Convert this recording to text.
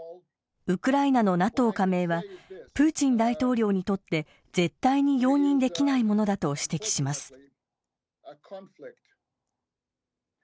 ウクライナのＮＡＴＯ加盟はプーチン大統領にとって絶対に容認できないものだと指摘します。